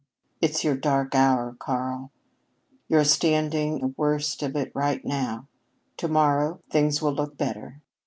"It's your dark hour, Karl. You're standing the worst of it right now. To morrow things will look better."